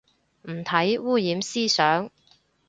唔睇，污染思想